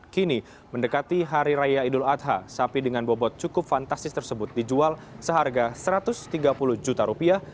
kini mendekati hari raya idul adha sapi dengan bobot cukup fantastis tersebut dijual seharga satu ratus tiga puluh juta rupiah